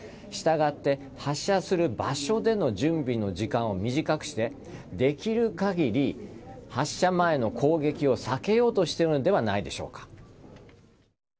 したがって、発射する場所での準備の時間を短くしてできる限り発射前の攻撃を避けようとしているのではないでしょうか。